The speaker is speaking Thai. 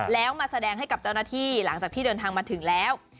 แล้วมาแสดงให้กับเจ้าหน้าที่หลังจากที่เดินทางมาถึงแล้ว